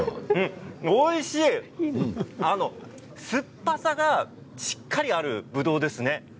おいしい酸っぱさがしっかりあるぶどうですね。